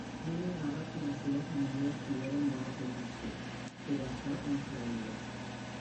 No negava que la seua família estiguera en «bona posició»; però això tant se valia!